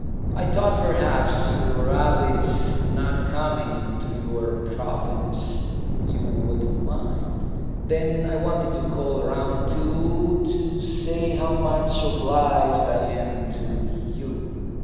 I thought perhaps, rabbits not coming into your province, you wouldn't mind. Then I wanted to call round too, to say how much obliged I am to you."